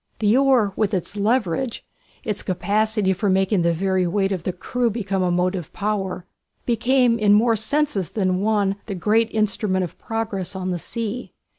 The oar, with its leverage, its capacity for making the very weight of the crew become a motive power, became in more senses than one the great instrument of progress on the sea.